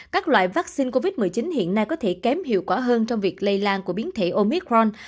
các loại vaccine covid một mươi chín hiện nay có thể kém hiệu quả hơn trong việc lây lan của biến thể omicron